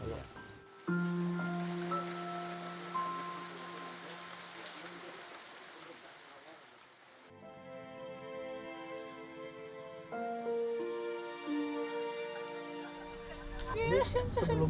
sebelumnya sudah pernah diajak jalan belum